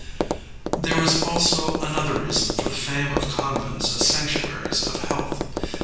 There was also another reason for the fame of convents as sanctuaries of health.